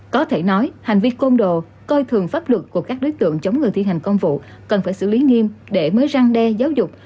có thể nói hành vi côn đồ coi thường pháp luật của các đối tượng chống người thi hành công vụ cần phải xử lý nghiêm để mới răng đe giáo dục